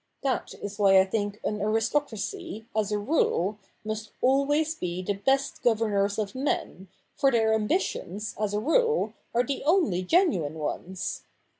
That is why I think an aristocracy, as a rule, must always be the best governors of men, for their ambitions, as a rulcj are the only genuine ones.